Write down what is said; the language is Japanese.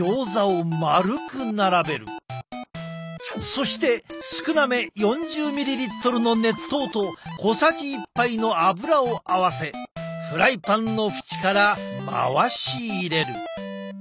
そして少なめ４０ｍｌの熱湯と小さじ１杯の油を合わせフライパンの縁から回し入れる。